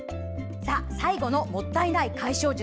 最後の、もったいない解消術。